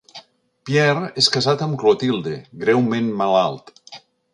Pierre és casat amb Clotilde, greument malalt.